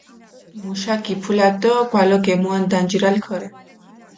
მუშა გიფულათ დო გვალო გემუან დანჯირალ ქორე.